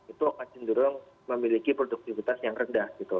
itu akan cenderung memiliki produktivitas yang rendah gitu